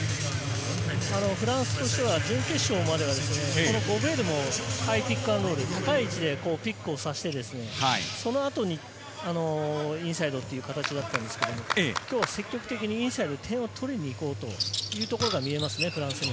フランスとしては準決勝まではゴベールもハイピックアンドロール、高い位置でピックをさせて、そのあとにインサイドという形だったですけれども、今日は積極的にインサイドで点を取りに行こうというところが見えますね。